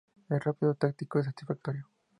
Es rápido, táctico, satisfactorio.